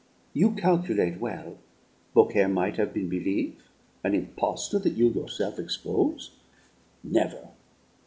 You calculate well. Beaucaire might have been belief an impostor that you yourself expose'? Never!